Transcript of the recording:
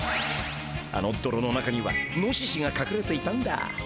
あのどろの中にはノシシがかくれていたんだ。